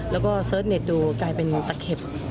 แล้วก็เสิร์ชเน็ตดูกลายเป็นตะเข็บ